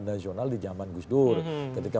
nasional di zaman gusdur ketika